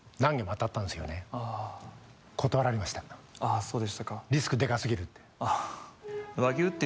あそうでしたか。